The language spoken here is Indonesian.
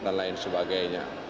dan lain sebagainya